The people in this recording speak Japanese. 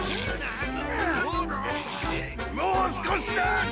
もう少しだ！